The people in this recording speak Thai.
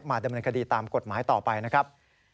ดำเนินคดีตามกฎหมายต่อไปนะครับ